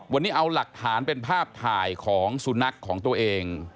วันนี้เอาหลักฐานเป็นภาพถ่ายของสุนัขของตัวเอง